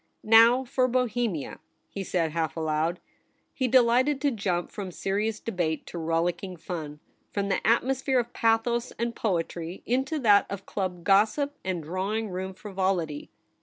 ' Now for Bohemia,' he said half aloud. He delighted to jump from serious debate to rollicking fun ; from the atmosphere of pathos and poetry into that of club gossip and drawing room frivolity.